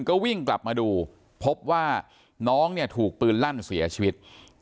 ก็วิ่งกลับมาดูพบว่าน้องเนี่ยถูกปืนลั่นเสียชีวิต